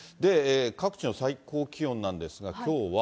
各地の最高気温なんですが、きょうは。